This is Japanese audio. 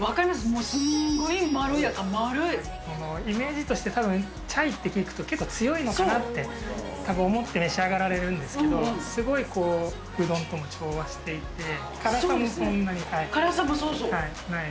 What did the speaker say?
もうすんごいまろやか、イメージとして、たぶんチャイって聞くと、結構強いのかなって思って召し上がられるんですけど、すごいうどんとも調和していて、辛さもそんなにない。